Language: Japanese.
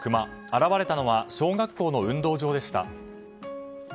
現れたのは小学校の運動場でした。